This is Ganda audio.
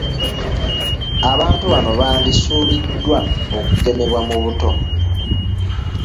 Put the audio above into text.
Abantu bano bandisubiddwa okugemebwa mu buto.